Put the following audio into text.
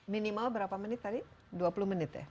minimal berapa menit tadi dua puluh menit ya